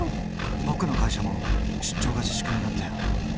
ボクの会社も出張が自粛になったよ。